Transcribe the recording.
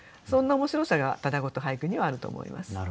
そんな面白さがただごと俳句にはあると思います。